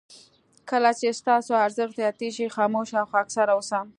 کله چې ستاسو ارزښت زیاتېږي خاموشه او خاکساره اوسه.